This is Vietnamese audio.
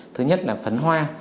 thứ nhất là phấn hoa